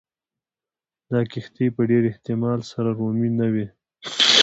دا کښتۍ په ډېر احتمال سره رومي نه وې